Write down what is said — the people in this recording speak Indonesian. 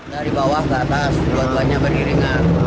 dari bawah ke atas dua duanya beriringan